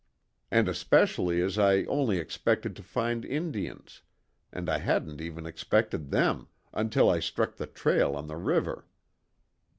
And especially as I only expected to find Indians and I hadn't even expected them, until I struck the trail on the river."